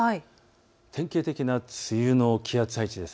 典型的な梅雨の気圧配置です。